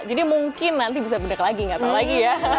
jadi mungkin nanti bisa bener lagi gak tau lagi ya